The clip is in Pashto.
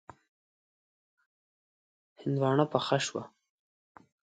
هندواڼه پخه شوه.